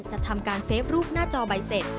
จะทำการเซฟรูปหน้าจอใบเสร็จ